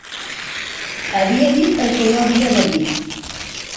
Havia dit el que no havia de dir.